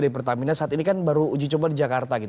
dari pertamina saat ini kan baru uji coba di jakarta gitu